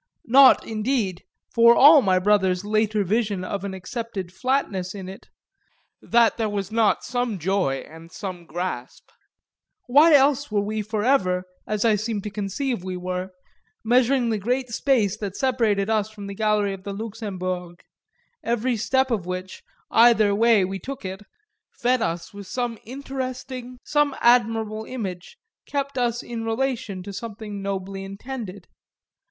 Not indeed for all my brother's later vision of an accepted flatness in it that there was not some joy and some grasp; why else were we forever (as I seem to conceive we were) measuring the great space that separated us from the gallery of the Luxembourg, every step of which, either way we took it, fed us with some interesting, some admirable image, kept us in relation to something nobly intended?